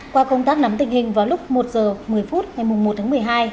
qua công tác nắm tình hình vào lúc một h một mươi phút ngày một tháng một mươi hai